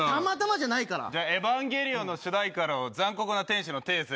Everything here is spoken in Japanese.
じゃあ、エヴァンゲリオンの主題歌の残酷な天使のテーゼ。